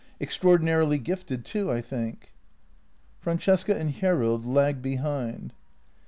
Extraordi narily gifted, too, I think." Francesca and Hjerrild lagged behind.